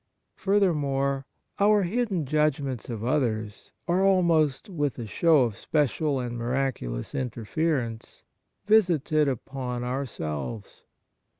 Furthermore, our hidden judgments of others are, almost with a show of special and miraculous interference, visited upon ourselves.